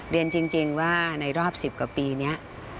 เรียนจริงว่าในรอบ๑๐กว่าปีนี้